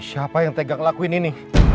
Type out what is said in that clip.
siapa yang tegak lakuin ini